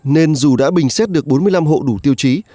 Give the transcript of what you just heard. nên dù đã bình xét được bốn mươi năm hộ đủ tiêu chí